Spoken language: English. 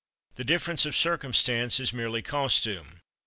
The difference of circumstance is merely costume.